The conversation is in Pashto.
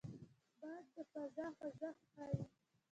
باد د فضا خوځښت ښيي